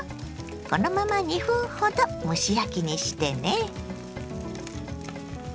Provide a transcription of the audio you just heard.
このまま２分ほど蒸し焼きにしてね。